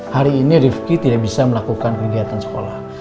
hari ini rifki tidak bisa melakukan kegiatan sekolah